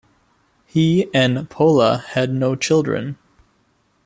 He and Pola had no children.